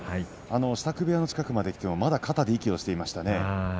支度部屋の近くに来てもまだ肩で息をしていました。